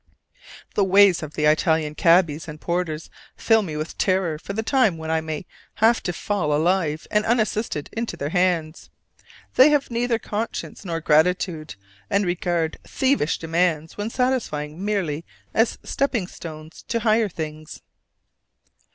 The ways of the Italian cabbies and porters fill me with terror for the time when I may have to fall alive and unassisted into their hands: they have neither conscience nor gratitude, and regard thievish demands when satisfied merely as stepping stones to higher things.